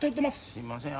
すいません